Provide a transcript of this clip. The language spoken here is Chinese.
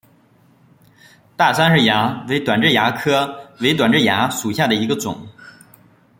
大杉氏蚜为短痣蚜科伪短痣蚜属下的一个种。